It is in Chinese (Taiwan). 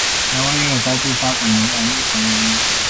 臺灣擁有高度發展的網路環境